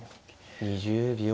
２０秒。